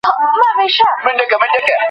زه خپل وزن نورمال ساتم.